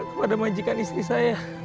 kepada majikan istri saya